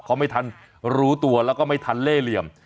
เขาไม่ทันรู้ตัวแล้วก็ไม่ทันเล่เหลี่ยม